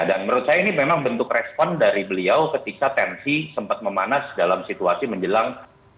dan menurut saya ini memang bentuk respon dari beliau ketika tensi sempat memanas dalam situasi menjelang dua puluh empat